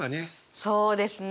そうですね。